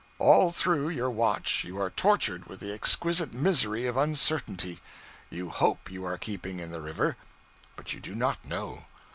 All through your watch you are tortured with the exquisite misery of uncertainty. You hope you are keeping in the river, but you do not know.